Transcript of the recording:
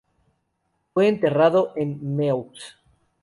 Fue enterrado en Meaux.